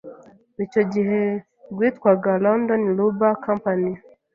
icyo gihe rwitwaga London Rubber Company.